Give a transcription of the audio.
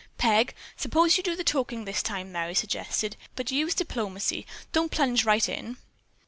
"Peg, suppose you do the talking this time," Merry suggested, "but use diplomacy. Don't plunge right in."